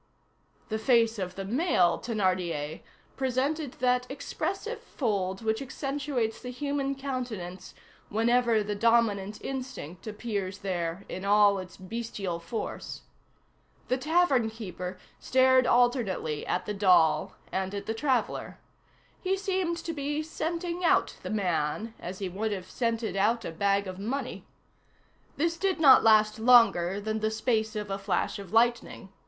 The face of the male Thénardier presented that expressive fold which accentuates the human countenance whenever the dominant instinct appears there in all its bestial force. The tavern keeper stared alternately at the doll and at the traveller; he seemed to be scenting out the man, as he would have scented out a bag of money. This did not last longer than the space of a flash of lightning.